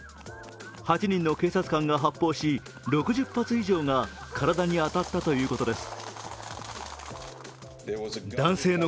８人の警察官が発砲し、６０発以上が体に当たったということです。